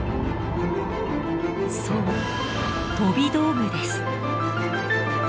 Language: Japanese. そう飛び道具です。